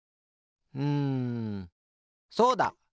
うんそうだ！